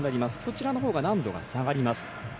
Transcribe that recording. こちらのほうが難度が下がります。